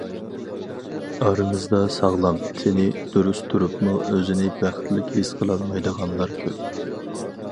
ئارىمىزدا ساغلام، تېنى دۇرۇس تۇرۇپمۇ، ئۆزىنى بەختلىك ھېس قىلالمايدىغانلار كۆپ.